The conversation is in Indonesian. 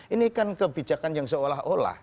ini kan kebijakan yang seolah olah